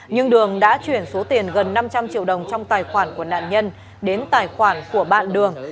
nhưng đường đã chuyển số tiền gần năm trăm linh triệu đồng trong tài khoản của nạn nhân đến tài khoản của bạn đường